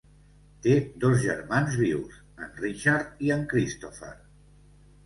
Té dos germans vius, en Richard i en Christopher.